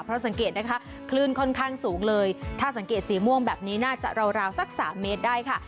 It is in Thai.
เพราะสังเกตนะคะคลื่นค่อนข้างสูงเลยถ้าสังเกตสีม่วงแบบนี้น่าจะราวสักสามเมตรได้ค่ะ